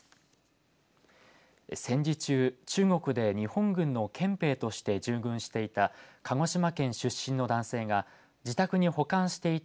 戦時中、中国で日本軍の憲兵として従軍していた鹿児島県出身の男性が自宅に保管していた